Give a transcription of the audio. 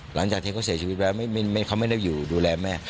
หลังจากที่เขาเสียชีวิตแล้วเขาไม่ได้อยู่ดูแลแม่